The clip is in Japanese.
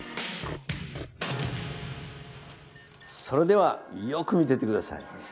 それではよく見てて下さい。